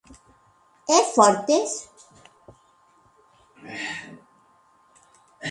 E fortes?